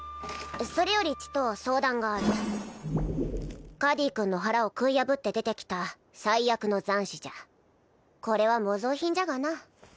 それよりちと相談があるカディ君の腹を食い破って出てきた災厄の残滓じゃこれは模造品じゃがな